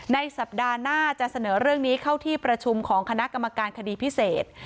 ในสัปดาห์หน้าจะเสนอเรื่องนี้เข้าที่ประชุมของคณะกรรมการคดีพิเศษ